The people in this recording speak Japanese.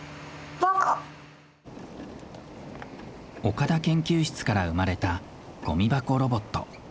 岡田研究室から生まれた「ゴミ箱ロボット」。